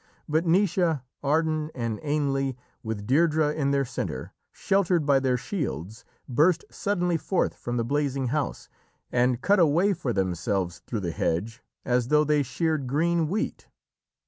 But Naoise, Ardan, and Ainle, with Deirdrê in their centre, sheltered by their shields, burst suddenly forth from the blazing house, and cut a way for themselves through the hedge as though they sheared green wheat.